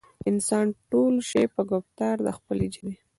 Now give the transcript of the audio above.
انسان تول شي پۀ ګفتار د خپلې ژبې